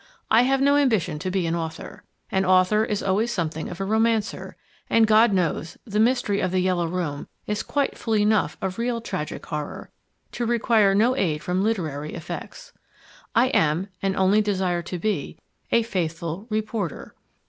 I have no ambition to be an author. An author is always something of a romancer, and God knows, the mystery of "The Yellow Room" is quite full enough of real tragic horror to require no aid from literary effects. I am, and only desire to be, a faithful "reporter."